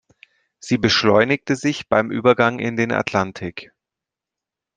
Sie beschleunigte sich beim Übergang in den Atlantik.